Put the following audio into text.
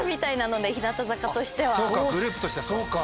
グループとしてはそうか。